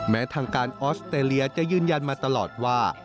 แม้ทางการออสเตรเลียจะยืนยันมาตลอดว่า